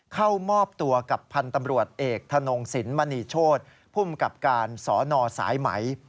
เข้ามอบตัวกับพันธ์ตำรวจเอกธนงสินมณีโชธภูมิกับการสนสายไหม